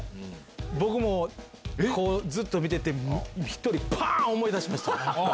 僕もずっと見てて、１人、ぱーん、思い出しました。